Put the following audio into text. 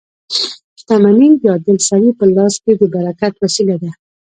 • شتمني د عادل سړي په لاس کې د برکت وسیله ده.